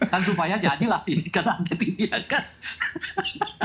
kan supaya jadilah ini keangket ini ya kan